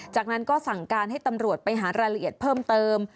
จากนั้นก็สั่งการให้ตำรวจไปหารายละเอียดเพิ่มเติม